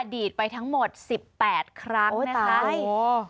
ดีดไปทั้งหมด๑๘ครั้งนะคะโอ้โฮตายโอ้โฮ